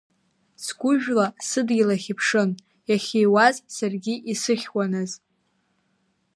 Сгәыжәла сыдгьыл иахьыԥшын, иахьуаз саргьы исыхьуаназ.